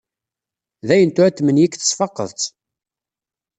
Dayen tura tmenyik tesfaqeḍ-tt.